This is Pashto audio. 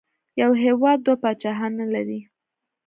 یو هېواد دوه پاچاهان نه لري.